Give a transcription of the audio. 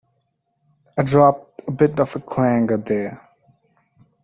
I dropped a bit of a clanger there.